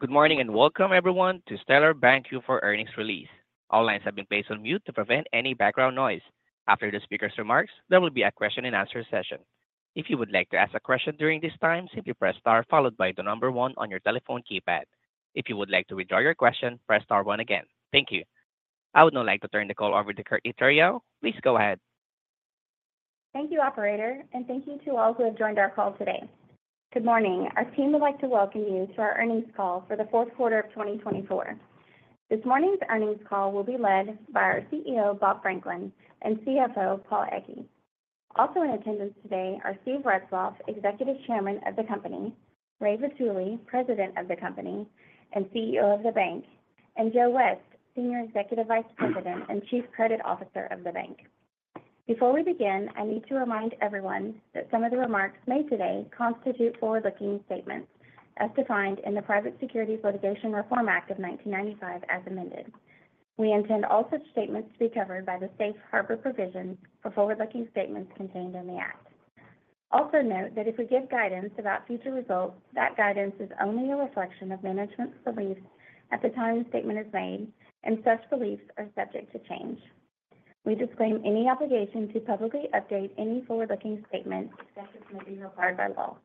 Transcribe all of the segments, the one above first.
Good morning and welcome, everyone, to Stellar Bancorp Courtney Theriot Earnings Release. All lines have been placed on mute to prevent any background noise. After the speaker's remarks, there will be a question-and-answer session. If you would like to ask a question during this time, simply press star followed by the number one on your telephone keypad. If you would like to withdraw your question, press star one again. Thank you. I would now like to turn the call over to Courtney Theriot. Please go ahead. Thank you, Operator, and thank you to all who have joined our call today. Good morning. Our team would like to welcome you to our earnings call for the Q4 of 2024. This morning's earnings call will be led by our CEO, Bob Franklin, and CFO, Paul Egge. Also in attendance today are Steve Retzloff, Executive Chairman of the company; Ray Vitulli, President of the company and CEO of the bank; and Joe West, Senior Executive Vice President and COO of the bank. Before we begin, I need to remind everyone that some of the remarks made today constitute forward-looking statements as defined in the Private Securities Litigation Reform Act of 1995, as amended. We intend all such statements to be covered by the Safe Harbor Provision for forward-looking statements contained in the Act. Also note that if we give guidance about future results, that guidance is only a reflection of management's beliefs at the time the statement is made, and such beliefs are subject to change. We disclaim any obligation to publicly update any forward-looking statement, except as may be required by law.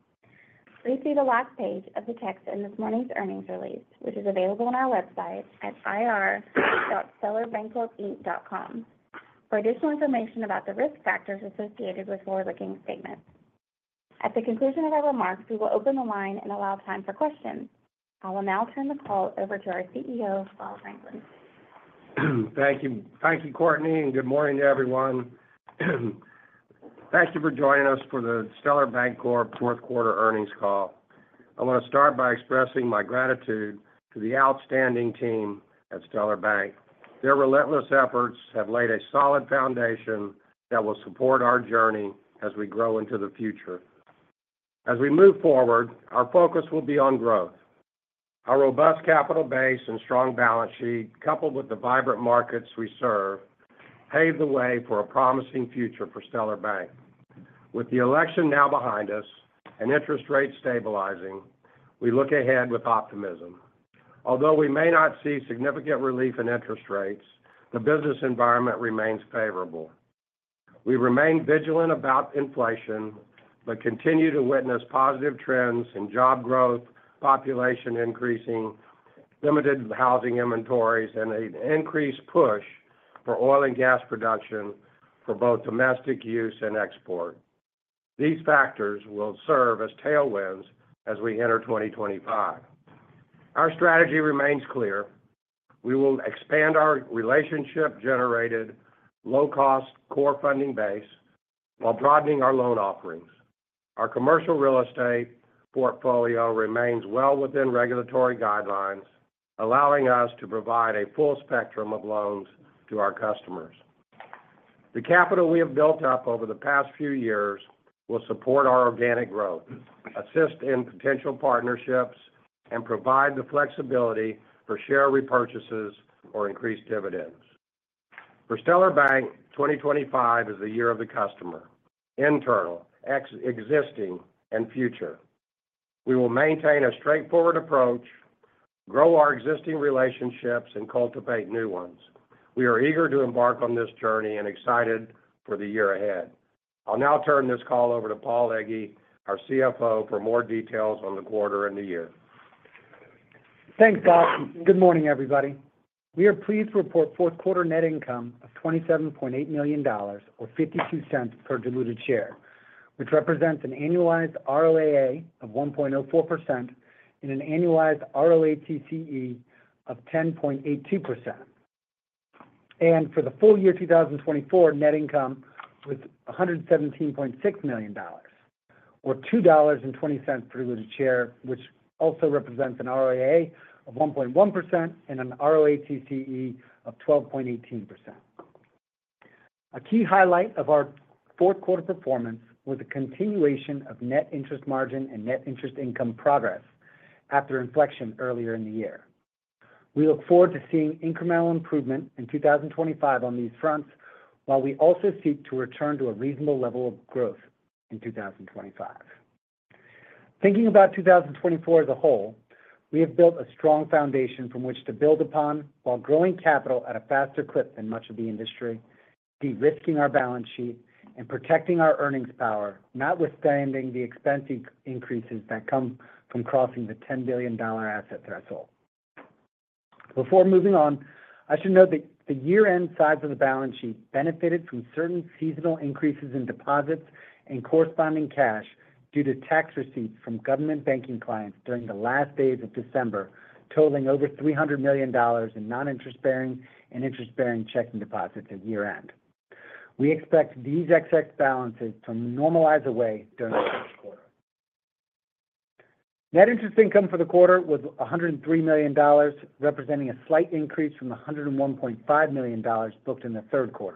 Please see the last page of the text in this morning's earnings release, which is available on our website at ir.stellarbancorpinc.com for additional information about the risk factors associated with forward-looking statements. At the conclusion of our remarks, we will open the line and allow time for questions. I will now turn the call over to our CEO, Bob Franklin. Thank you. Thank you, Courtney, and good morning to everyone. Thank you for joining us for the Stellar Bancorp Q4 Earnings Call. I want to start by expressing my gratitude to the outstanding team at Stellar Bank. Their relentless efforts have laid a solid foundation that will support our journey as we grow into the future. As we move forward, our focus will be on growth. Our robust capital base and strong balance sheet, coupled with the vibrant markets we serve, pave the way for a promising future for Stellar Bank. With the election now behind us and interest rates stabilizing, we look ahead with optimism. Although we may not see significant relief in interest rates, the business environment remains favorable. We remain vigilant about inflation but continue to witness positive trends in job growth, population increasing, limited housing inventories, and an increased push for oil and gas production for both domestic use and export. These factors will serve as tailwinds as we enter 2025. Our strategy remains clear. We will expand our relationship-generated low-cost core funding base while broadening our loan offerings. Our commercial real estate portfolio remains well within regulatory guidelines, allowing us to provide a full spectrum of loans to our customers. The capital we have built up over the past few years will support our organic growth, assist in potential partnerships, and provide the flexibility for share repurchases or increased dividends. For Stellar Bank, 2025 is the year of the customer: internal, existing, and future. We will maintain a straightforward approach, grow our existing relationships, and cultivate new ones. We are eager to embark on this journey and excited for the year ahead. I'll now turn this call over to Paul Egge, our CFO, for more details on the quarter and the year. Thanks, Bob. Good morning, everybody. We are pleased to report Q4 net income of $27.8 million, or $0.52 per diluted share, which represents an annualized ROAA of 1.04% and an annualized ROATCE of 10.82% and for the full year 2024, net income was $117.6 million, or $2.20 per diluted share, which also represents an ROAA of 1.1% and an ROATCE of 12.18%. A key highlight of our Q4 performance was the continuation of net interest margin and net interest income progress after inflection earlier in the year. We look forward to seeing incremental improvement in 2025 on these fronts while we also seek to return to a reasonable level of growth in 2025. Thinking about 2024 as a whole, we have built a strong foundation from which to build upon while growing capital at a faster clip than much of the industry, de-risking our balance sheet and protecting our earnings power, notwithstanding the expense increases that come from crossing the $10 billion asset threshold. Before moving on, I should note that the year-end size of the balance sheet benefited from certain seasonal increases in deposits and corresponding cash due to tax receipts from government banking clients during the last days of December, totaling over $300 million in non-interest-bearing and interest-bearing checking deposits at year-end. We expect these excess balances to normalize away during the Q1. Net interest income for the quarter was $103 million, representing a slight increase from the $101.5 million booked in the Q4.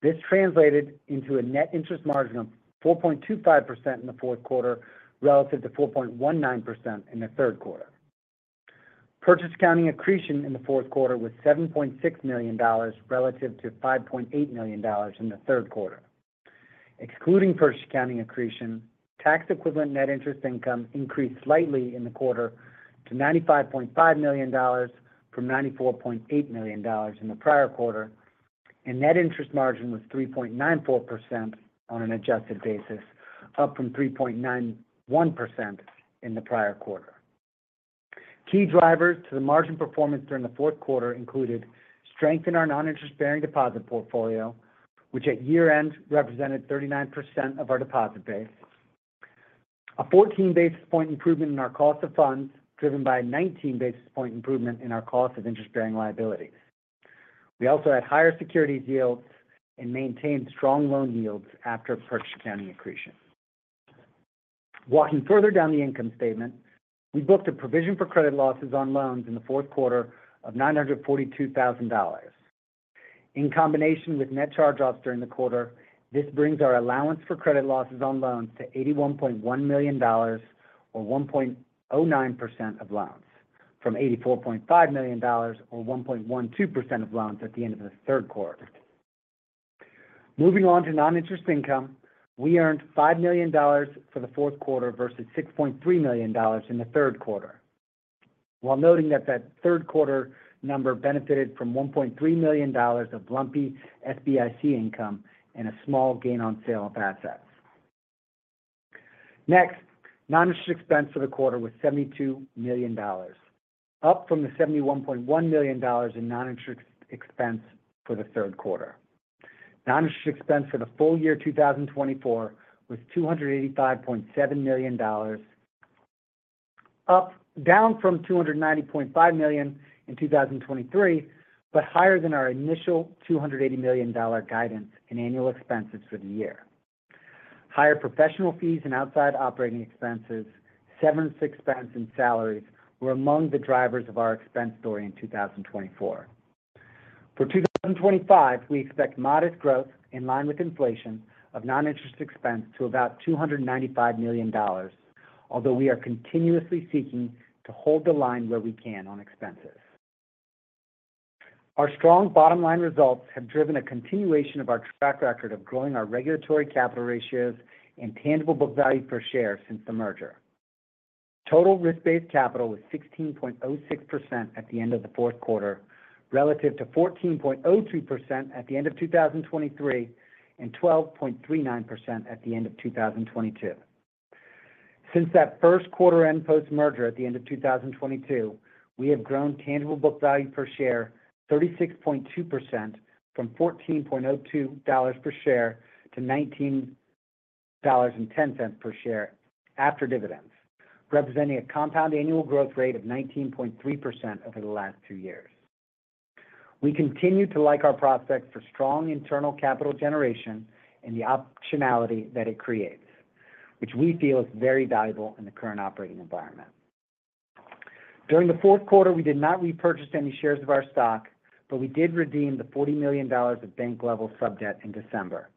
This translated into a net interest margin of 4.25% in the Q3 relative to 4.19% in the Q4. Purchase Accounting Accretion in the Q4 was $7.6 million relative to $5.8 million in the Q3. Excluding Purchase Accounting Accretion, tax-equivalent net interest income increased slightly in the quarter to $95.5 million from $94.8 million in the prior quarter, and net interest margin was 3.94% on an adjusted basis, up from 3.91% in the prior quarter. Key drivers to the margin performance during the Q4 included strength in our non-interest-bearing deposit portfolio, which at year-end represented 39% of our deposit base, a 14 basis point improvement in our cost of funds driven by a 19 basis point improvement in our cost of interest-bearing liability. We also had higher securities yields and maintained strong loan yields after Purchase Accounting Accretion. Walking further down the income statement, we booked a provision for credit losses on loans in the Q4 of $942,000. In combination with net charge-offs during the quarter, this brings our allowance for credit losses on loans to $81.1 million, or 1.09% of loans, from $84.5 million, or 1.12% of loans at the end of the Q4. Moving on to non-interest income, we earned $5 million for the Q4 versus $6.3 million in the Q4, while noting that the Q4 number benefited from $1.3 million of lumpy SBIC income and a small gain on sale of assets. Next, non-interest expense for the quarter was $72 million, up from the $71.1 million in non-interest expense for the Q4. Non-interest expense for the full year 2024 was $285.7 million, down from $290.5 million in 2023, but higher than our initial $280 million guidance in annual expenses for the year. Higher professional fees and outside operating expenses, severance expense, and salaries were among the drivers of our expense story in 2024. For 2025, we expect modest growth in line with inflation of non-interest expense to about $295 million, although we are continuously seeking to hold the line where we can on expenses. Our strong bottom-line results have driven a continuation of our track record of growing our regulatory capital ratios and tangible book value per share since the merger. Total risk-based capital was 16.06% at the end of the Q4, relative to 14.02% at the end of 2023 and 12.39% at the end of 2022. Since that Q1-end post-merger at the end of 2022, we have grown tangible book value per share 36.2% from $14.02 per share to $19.10 per share after dividends, representing a compound annual growth rate of 19.3% over the last two years. We continue to like our prospects for strong internal capital generation and the optionality that it creates, which we feel is very valuable in the current operating environment. During the Q4, we did not repurchase any shares of our stock, but we did redeem the $40 million of bank-level subdebt in December.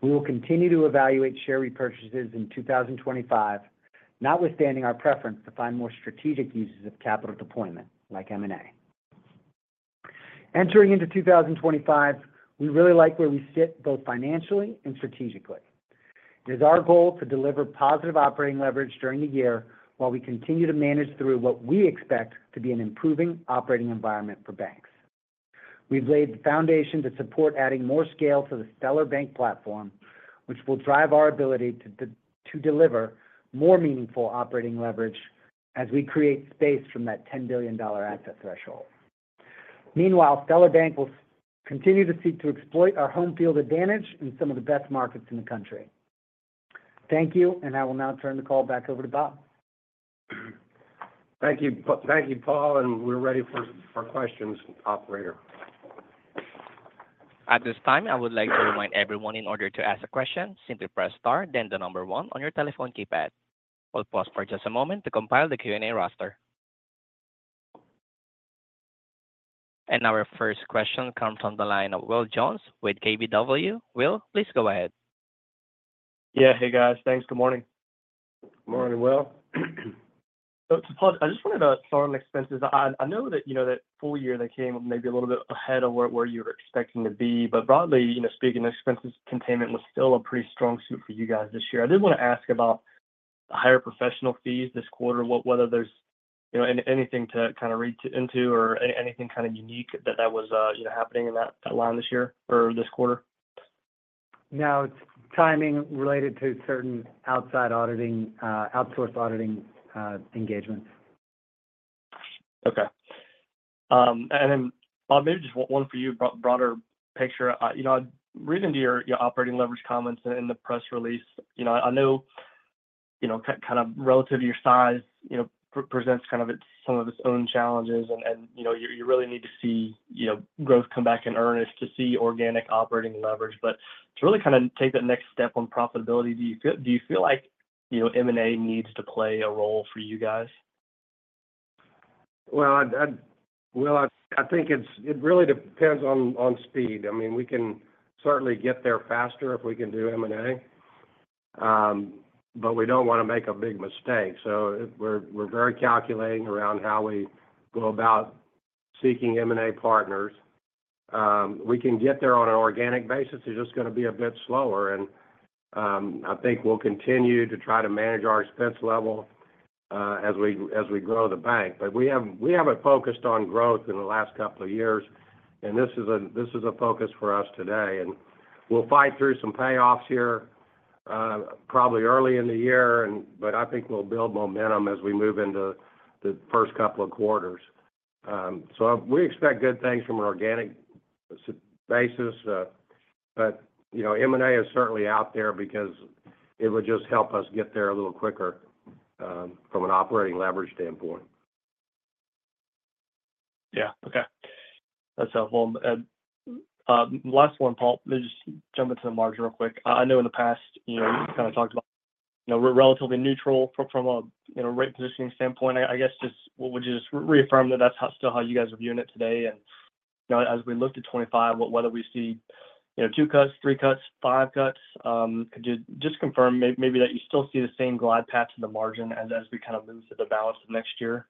We will continue to evaluate share repurchases in 2025, notwithstanding our preference to find more strategic uses of capital deployment, like M&A. Entering into 2025, we really like where we sit both financially and strategically. It is our goal to deliver positive operating leverage during the year while we continue to manage through what we expect to be an improving operating environment for banks. We've laid the foundation to support adding more scale to the Stellar Bank platform, which will drive our ability to deliver more meaningful operating leverage as we create space from that $10 billion asset threshold. Meanwhile, Stellar Bank will continue to seek to exploit our home field advantage in some of the best markets in the country. Thank you, and I will now turn the call back over to Bob. Thank you, Paul, and we're ready for questions, Operator. At this time, I would like to remind everyone in order to ask a question, simply press star, then the number one on your telephone keypad. We'll pause for just a moment to compile the Q&A roster, and our first question comes from the line of Will Jones with KBW. Will, please go ahead. Yeah, hey, guys. Thanks. Good morning. Good morning, Will. So I just wanted to start on expenses. I know that full year that came maybe a little bit ahead of where you were expecting to be, but broadly speaking, expenses containment was still a pretty strong suit for you guys this year. I did want to ask about the higher professional fees this quarter, whether there's anything to kind of read into or anything kind of unique that was happening in that line this year or this quarter? Now, it's timing related to certain outside auditing, outsourced auditing engagements. Okay. And then Bob, maybe just one for you, broader picture. I read into your operating leverage comments in the press release. I know kind of relative to your size presents kind of some of its own challenges, and you really need to see growth come back in earnest to see organic operating leverage. But to really kind of take that next step on profitability, do you feel like M&A needs to play a role for you guys? Well, Will. I think it really depends on speed. I mean, we can certainly get there faster if we can do M&A, but we don't want to make a big mistake. So we're very calculating around how we go about seeking M&A partners. We can get there on an organic basis. It's just going to be a bit slower. And I think we'll continue to try to manage our expense level as we grow the bank. But we haven't focused on growth in the last couple of years, and this is a focus for us today. And we'll fight through some payoffs here probably early in the year, but I think we'll build momentum as we move into the first couple of quarters. So we expect good things from an organic basis, but M&A is certainly out there because it would just help us get there a little quicker from an operating leverage standpoint. Yeah. Okay. That's helpful. Last one, Paul, just jump into the margin real quick. I know in the past you kind of talked about we're relatively neutral from a rate positioning standpoint. I guess just would you just reaffirm that that's still how you guys are viewing it today? And as we look to 2025, whether we see two cuts, three cuts, five cuts, could you just confirm maybe that you still see the same glide path to the margin as we kind of move to the balance of next year?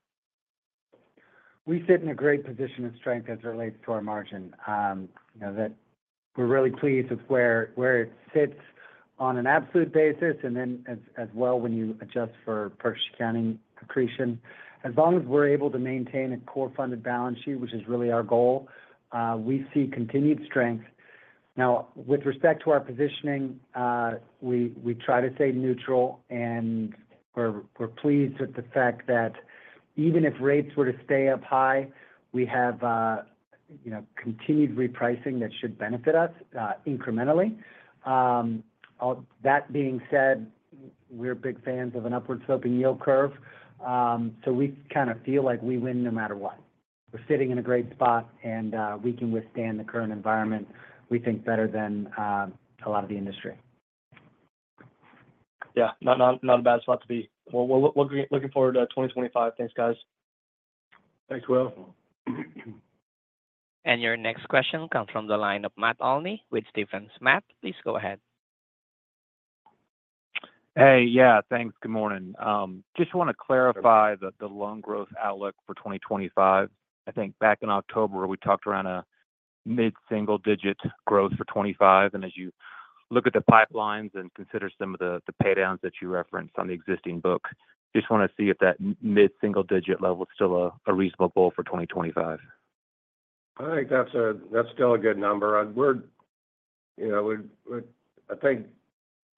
We sit in a great position of strength as it relates to our margin. We're really pleased with where it sits on an absolute basis and then as well when you adjust for Purchase Accounting Accretion. As long as we're able to maintain a core funded balance sheet, which is really our goal, we see continued strength. Now, with respect to our positioning, we try to stay neutral, and we're pleased with the fact that even if rates were to stay up high, we have continued repricing that should benefit us incrementally. That being said, we're big fans of an upward-sloping yield curve, so we kind of feel like we win no matter what. We're sitting in a great spot, and we can withstand the current environment, we think, better than a lot of the industry. Yeah. Not a bad spot to be. We're looking forward to 2025. Thanks, guys. Thanks, Will. Your next question comes from the line of Matt Olney with Stephens. Please go ahead. Hey, yeah. Thanks. Good morning. Just want to clarify the loan growth outlook for 2025. I think back in October, we talked around a mid-single-digit growth for 2025. And as you look at the pipelines and consider some of the paydowns that you referenced on the existing book, just want to see if that mid-single-digit level is still a reasonable goal for 2025. I think that's still a good number. I think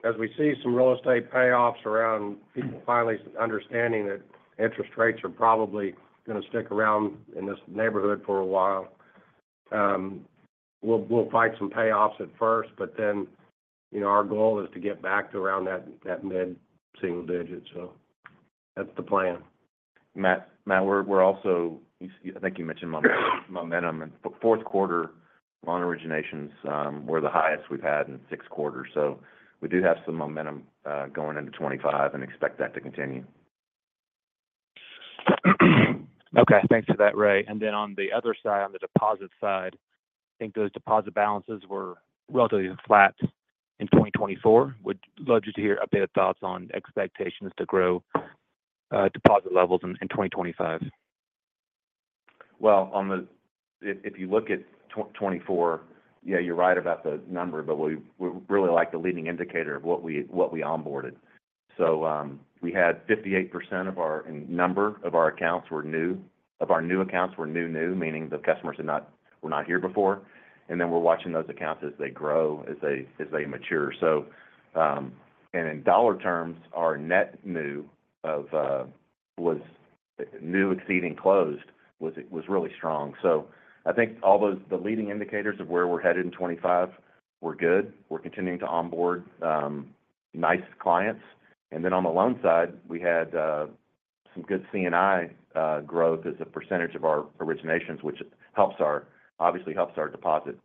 as we see some real estate payoffs around people finally understanding that interest rates are probably going to stick around in this neighborhood for a while, we'll fight some payoffs at first, but then our goal is to get back to around that mid-single digit. So that's the plan. Matt, we're also, I think, you mentioned momentum. Q4 loan originations were the highest we've had in six quarters. So we do have some momentum going into 2025 and expect that to continue. Okay. Thanks for that, Ray. And then on the other side, on the deposit side, I think those deposit balances were relatively flat in 2024. Would love just to hear a bit of thoughts on expectations to grow deposit levels in 2025. If you look at 2024, yeah, you're right about the number, but we really like the leading indicator of what we onboarded. We had 58% of our number of our accounts were new, meaning the customers were not here before. We're watching those accounts as they grow, as they mature. In dollar terms, our net new exceeding closed was really strong. I think all those leading indicators of where we're headed in 2025 were good. We're continuing to onboard nice clients. On the loan side, we had some good C&I growth as a percentage of our originations, which obviously helps our deposit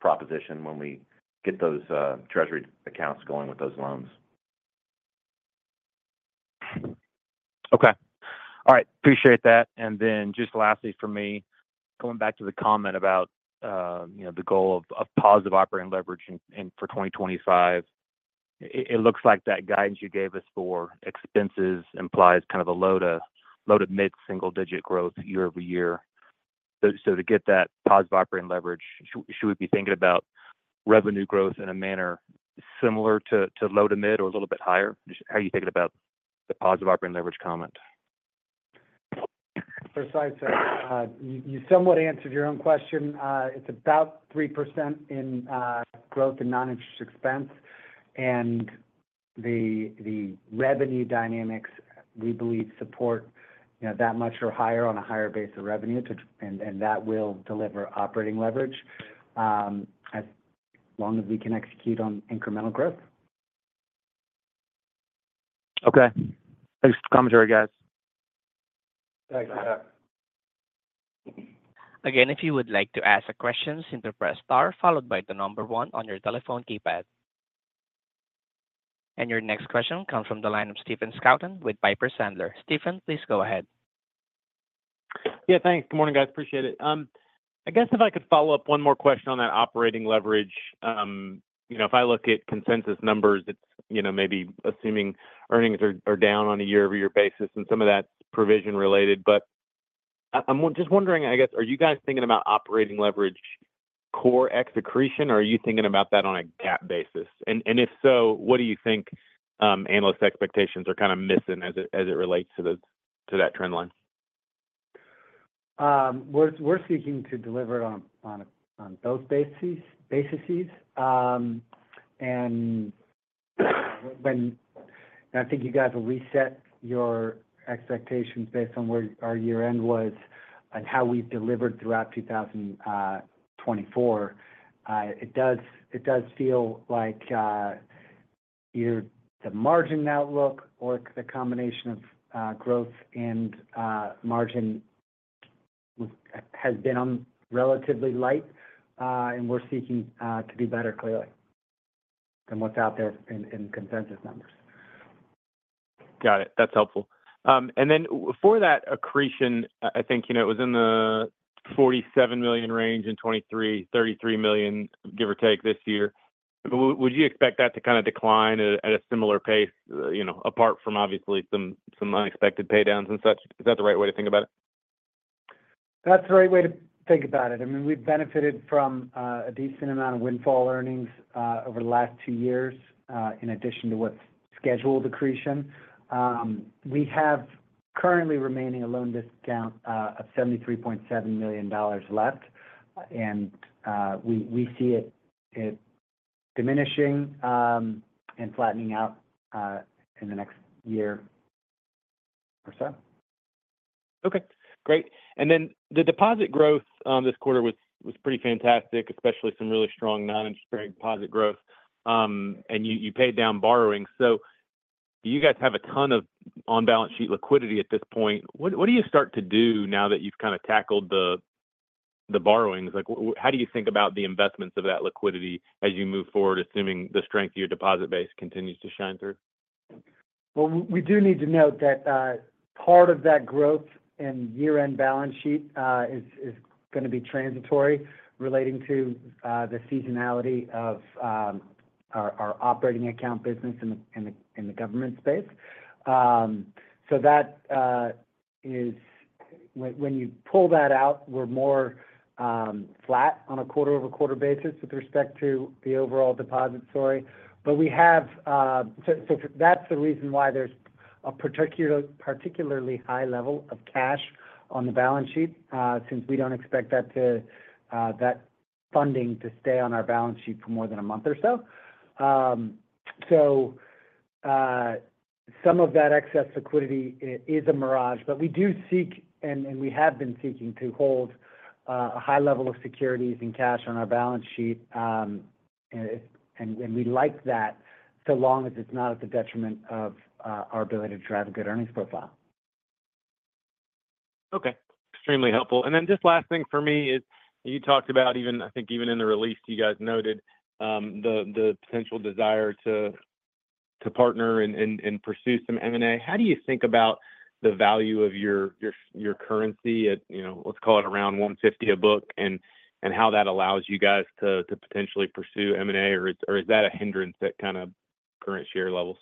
proposition when we get those treasury accounts going with those loans. Okay. All right. Appreciate that. And then just lastly for me, going back to the comment about the goal of positive operating leverage for 2025, it looks like that guidance you gave us for expenses implies kind of a low to mid-single-digit growth year over year. So to get that positive operating leverage, should we be thinking about revenue growth in a manner similar to low to mid or a little bit higher? How are you thinking about the positive operating leverage comment? For size X, you somewhat answered your own question. It's about 3% in growth in non-interest expense. And the revenue dynamics we believe support that much or higher on a higher base of revenue, and that will deliver operating leverage as long as we can execute on incremental growth. Okay. Thanks for the commentary, guys. Thanks. Again, if you would like to ask a question, simply press star, followed by the number one on your telephone keypad. And your next question comes from the line of Stephen Scouton with Piper Sandler. Stephen, please go ahead. Yeah. Thanks. Good morning, guys. Appreciate it. I guess if I could follow up one more question on that operating leverage. If I look at consensus numbers, it's maybe assuming earnings are down on a year-over-year basis, and some of that's provision-related. But I'm just wondering, I guess, are you guys thinking about operating leverage core ex-accretion, or are you thinking about that on a GAAP basis? And if so, what do you think analyst expectations are kind of missing as it relates to that trend line? We're seeking to deliver it on both bases, and I think you guys will reset your expectations based on where our year-end was and how we've delivered throughout 2024. It does feel like either the margin outlook or the combination of growth and margin has been relatively light, and we're seeking to do better clearly than what's out there in consensus numbers. Got it. That's helpful. And then for that accretion, I think it was in the $47 million range in 2023, $33 million, give or take, this year. Would you expect that to kind of decline at a similar pace, apart from obviously some unexpected paydowns and such? Is that the right way to think about it? That's the right way to think about it. I mean, we've benefited from a decent amount of windfall earnings over the last two years in addition to what's scheduled accretion. We have currently remaining a loan discount of $73.7 million left, and we see it diminishing and flattening out in the next year or so. Okay. Great. And then the deposit growth this quarter was pretty fantastic, especially some really strong non-interest-bearing deposit growth, and you paid down borrowing. So you guys have a ton of on-balance sheet liquidity at this point. What do you start to do now that you've kind of tackled the borrowings? How do you think about the investments of that liquidity as you move forward, assuming the strength of your deposit base continues to shine through? We do need to note that part of that growth in year-end balance sheet is going to be transitory, relating to the seasonality of our operating account business in the government space. When you pull that out, we're more flat on a quarter-over-quarter basis with respect to the overall deposit story. But we have, so that's the reason why there's a particularly high level of cash on the balance sheet since we don't expect that funding to stay on our balance sheet for more than a month or so. Some of that excess liquidity is a mirage, but we do seek, and we have been seeking to hold a high level of securities and cash on our balance sheet, and we like that so long as it's not at the detriment of our ability to drive a good earnings profile. Okay. Extremely helpful. And then just last thing for me is you talked about even, I think even in the release, you guys noted the potential desire to partner and pursue some M&A. How do you think about the value of your currency at, let's call it around 150 a book, and how that allows you guys to potentially pursue M&A, or is that a hindrance that kind of current share levels?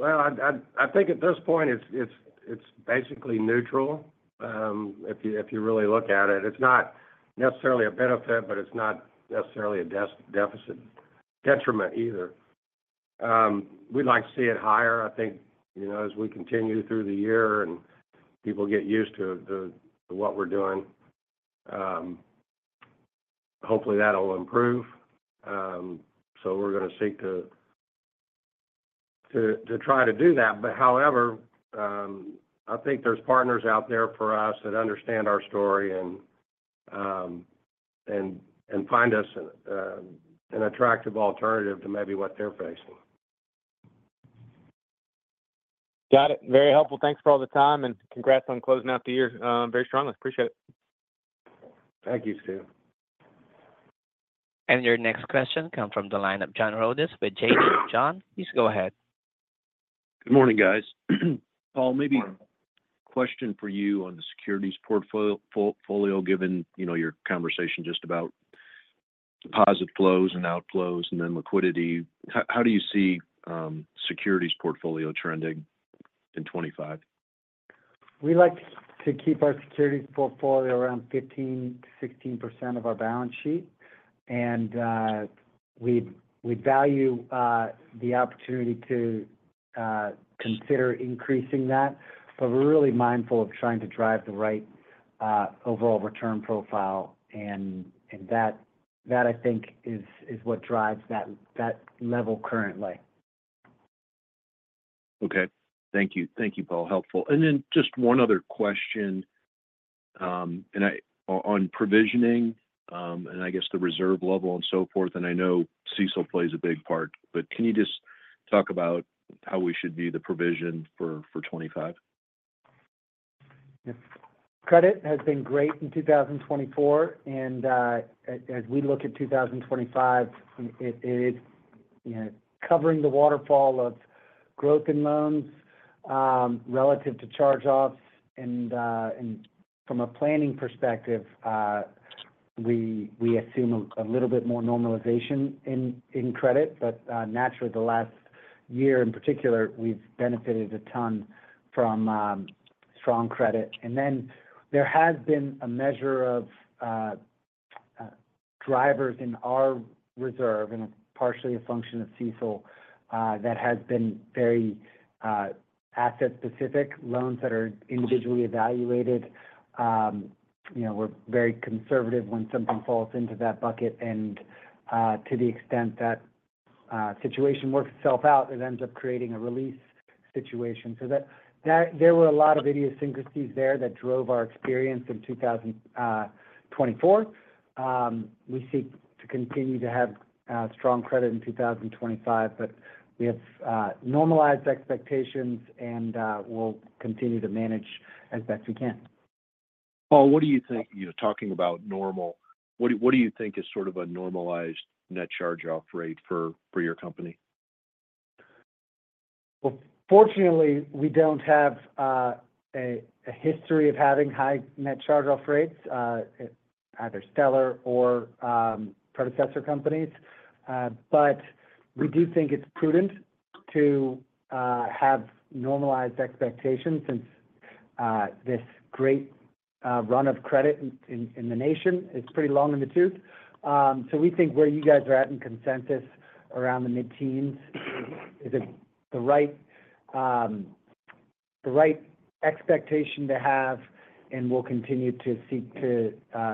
I think at this point, it's basically neutral if you really look at it. It's not necessarily a benefit, but it's not necessarily a detriment either. We'd like to see it higher, I think, as we continue through the year and people get used to what we're doing. Hopefully, that'll improve. So we're going to seek to try to do that. But however, I think there's partners out there for us that understand our story and find us an attractive alternative to maybe what they're facing. Got it. Very helpful. Thanks for all the time, and congrats on closing out the year very strongly. Appreciate it. Thank you, Steve. And your next question comes from the line of John Rodis with J&J. John, please go ahead. Good morning, guys. Paul, maybe a question for you on the securities portfolio, given your conversation just about deposit flows and outflows and then liquidity. How do you see securities portfolio trending in 2025? We like to keep our securities portfolio around 15-16% of our balance sheet, and we value the opportunity to consider increasing that. But we're really mindful of trying to drive the right overall return profile, and that, I think, is what drives that level currently. Okay. Thank you. Thank you, Paul. Helpful. And then just one other question on provisioning and I guess the reserve level and so forth. And I know CECL plays a big part, but can you just talk about how we should view the provision for 2025? Credit has been great in 2024, and as we look at 2025, it is covering the waterfall of growth in loans relative to charge-offs. And from a planning perspective, we assume a little bit more normalization in credit. But naturally, the last year in particular, we've benefited a ton from strong credit. And then there has been a measure of drivers in our reserve, and it's partially a function of CECL that has been very asset-specific. Loans that are individually evaluated, we're very conservative when something falls into that bucket. And to the extent that situation works itself out, it ends up creating a release situation. So there were a lot of idiosyncrasies there that drove our experience in 2024. We seek to continue to have strong credit in 2025, but we have normalized expectations, and we'll continue to manage as best we can. Paul, what do you think? You're talking about normal. What do you think is sort of a normalized net charge-off rate for your company? Fortunately, we don't have a history of having high net charge-off rates, either Stellar or predecessor companies, but we do think it's prudent to have normalized expectations since this great run of credit in the nation is pretty long in the tooth, so we think where you guys are at in consensus around the mid-teens is the right expectation to have, and we'll continue to seek to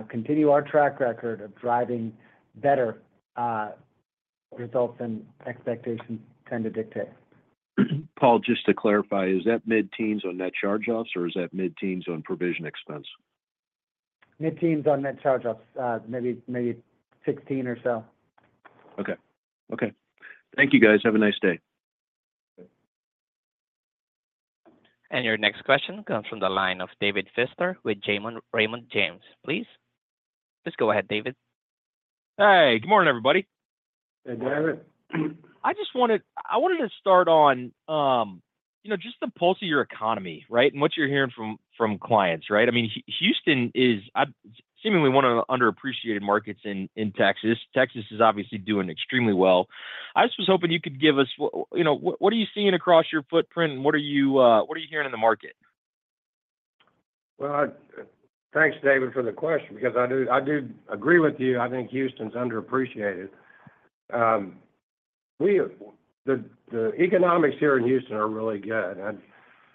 continue our track record of driving better results than expectations tend to dictate. Paul, just to clarify, is that mid-teens on net charge-offs, or is that mid-teens on provision expense? Mid-teens on net charge-offs, maybe 16 or so. Okay. Okay. Thank you, guys. Have a nice day. Your next question comes from the line of David Feaster with Raymond James. Please. Just go ahead, David. Hey. Good morning, everybody. Hey, David. I just wanted to start on just the pulse of your economy, right, and what you're hearing from clients, right? I mean, Houston is seemingly one of the underappreciated markets in Texas. Texas is obviously doing extremely well. I was just hoping you could give us what are you seeing across your footprint, and what are you hearing in the market? Thanks, David, for the question because I do agree with you. I think Houston's underappreciated. The economics here in Houston are really good.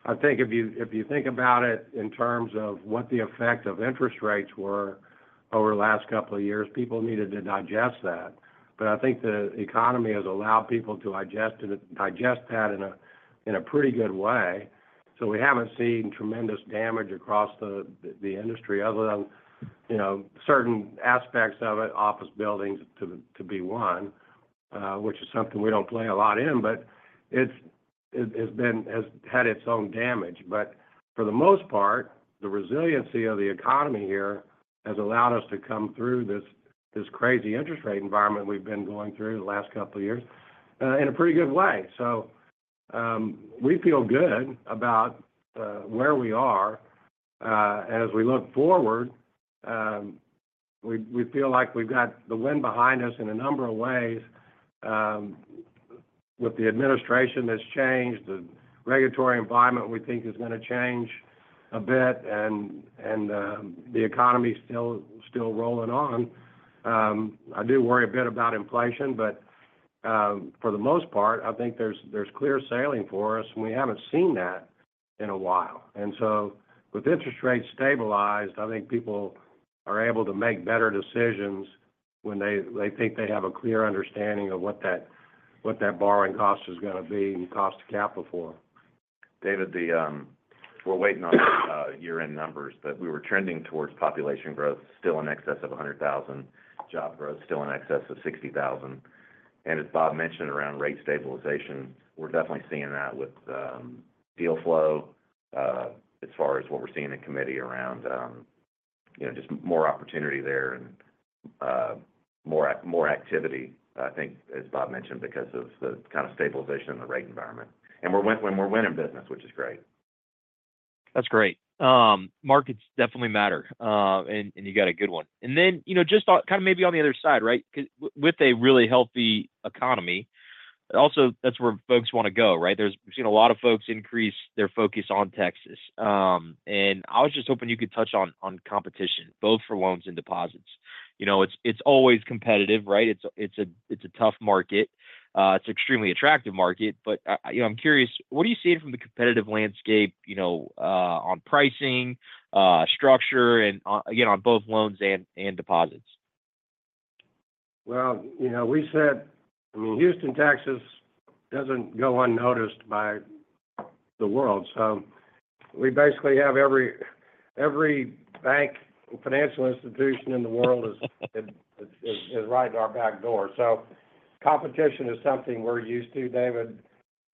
I think if you think about it in terms of what the effect of interest rates were over the last couple of years, people needed to digest that. But I think the economy has allowed people to digest that in a pretty good way. So we haven't seen tremendous damage across the industry other than certain aspects of it, office buildings to be one, which is something we don't play a lot in, but it has had its own damage. But for the most part, the resiliency of the economy here has allowed us to come through this crazy interest rate environment we've been going through the last couple of years in a pretty good way. So we feel good about where we are. And as we look forward, we feel like we've got the wind behind us in a number of ways with the administration that's changed, the regulatory environment we think is going to change a bit, and the economy's still rolling on. I do worry a bit about inflation, but for the most part, I think there's clear sailing for us, and we haven't seen that in a while. And so with interest rates stabilized, I think people are able to make better decisions when they think they have a clear understanding of what that borrowing cost is going to be and cost of capital for. David, we're waiting on year-end numbers, but we were trending towards population growth, still in excess of 100,000, job growth still in excess of 60,000, and as Bob mentioned around rate stabilization, we're definitely seeing that with deal flow as far as what we're seeing in committee around just more opportunity there and more activity, I think, as Bob mentioned, because of the kind of stabilization in the rate environment, and we're winning business, which is great. That's great. Markets definitely matter, and you got a good one. And then just kind of maybe on the other side, right, with a really healthy economy, also that's where folks want to go, right? We've seen a lot of folks increase their focus on Texas. And I was just hoping you could touch on competition, both for loans and deposits. It's always competitive, right? It's a tough market. It's an extremely attractive market. But I'm curious, what are you seeing from the competitive landscape on pricing, structure, and again, on both loans and deposits? We said, I mean, Houston, Texas doesn't go unnoticed by the world. So we basically have every bank and financial institution in the world is right at our back door. So competition is something we're used to, David.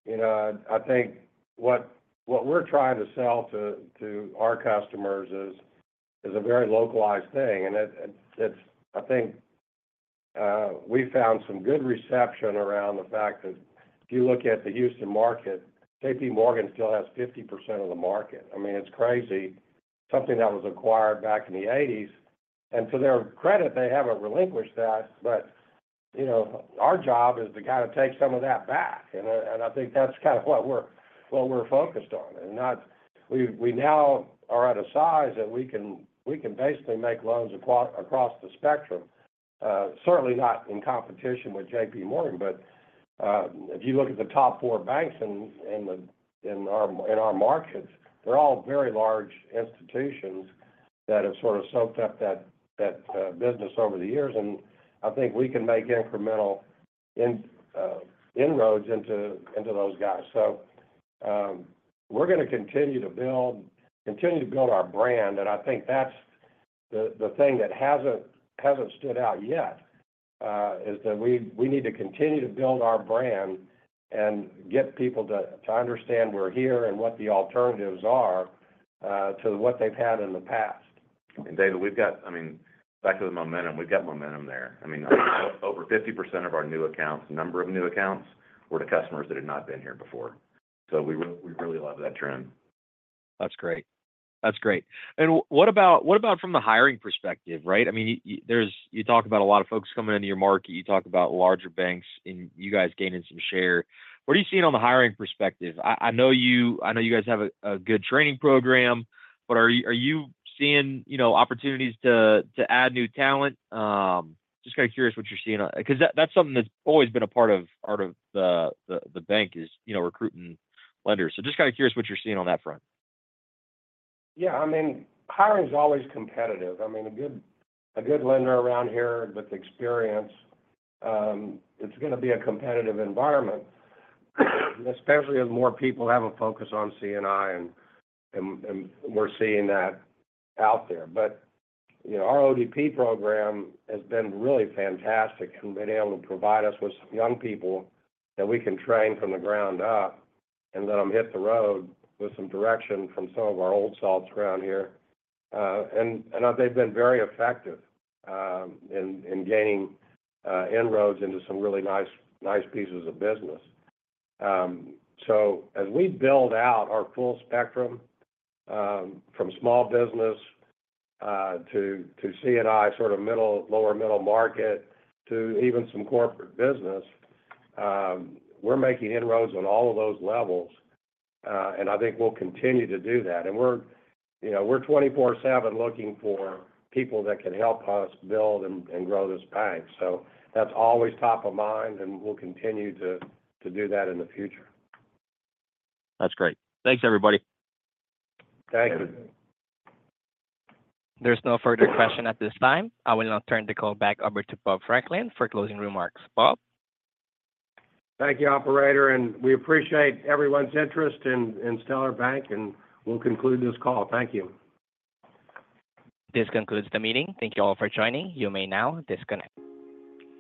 I think what we're trying to sell to our customers is a very localized thing. And I think we found some good reception around the fact that if you look at the Houston market, JP Morgan still has 50% of the market. I mean, it's crazy. Something that was acquired back in the 1980s. And to their credit, they haven't relinquished that. But our job is to kind of take some of that back. And I think that's kind of what we're focused on. And we now are at a size that we can basically make loans across the spectrum, certainly not in competition with JP Morgan. But if you look at the top four banks in our markets, they're all very large institutions that have sort of soaked up that business over the years. And I think we can make incremental inroads into those guys. So we're going to continue to build our brand. And I think that's the thing that hasn't stood out yet is that we need to continue to build our brand and get people to understand we're here and what the alternatives are to what they've had in the past. And David, we've got, I mean, back to the momentum, we've got momentum there. I mean, over 50% of our new accounts, number of new accounts, were to customers that had not been here before. So we really love that trend. That's great. That's great. And what about from the hiring perspective, right? I mean, you talk about a lot of folks coming into your market. You talk about larger banks and you guys gaining some share. What are you seeing on the hiring perspective? I know you guys have a good training program, but are you seeing opportunities to add new talent? Just kind of curious what you're seeing because that's something that's always been a part of the bank is recruiting lenders. So just kind of curious what you're seeing on that front. Yeah. I mean, hiring is always competitive. I mean, a good lender around here with experience, it's going to be a competitive environment, especially as more people have a focus on C&I, and we're seeing that out there. But our ODP program has been really fantastic and been able to provide us with some young people that we can train from the ground up and let them hit the road with some direction from some of our old salts around here. And they've been very effective in gaining inroads into some really nice pieces of business. So as we build out our full spectrum from small business to C&I, sort of lower middle market to even some corporate business, we're making inroads on all of those levels. And I think we'll continue to do that. And we're 24/7 looking for people that can help us build and grow this bank. So that's always top of mind, and we'll continue to do that in the future. That's great. Thanks, everybody. Thank you. There's no further question at this time. I will now turn the call back over to Bob Franklin for closing remarks. Bob. Thank you, Operator. And we appreciate everyone's interest in Stellar Bank, and we'll conclude this call. Thank you. This concludes the meeting. Thank you all for joining. You may now disconnect.